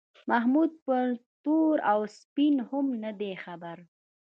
محمود په تور او سپین هم نه دی خبر.